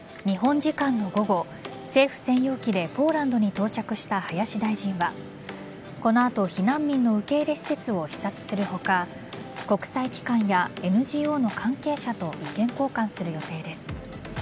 日本時間の午後政府専用機でポーランドに到着した林大臣はこの後、避難民の受け入れ施設を視察する他国際機関やＮＧＯの関係者と意見交換する予定です。